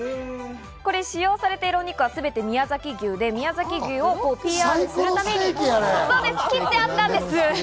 使用されているお肉はすべて宮崎牛で、宮崎牛をＰＲするために切ってあったんです。